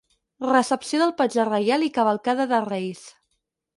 Recepció del Patge Reial i Cavalcada de reis.